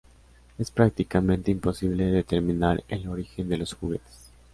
Es prácticamente imposible determinar el origen de los juguetes.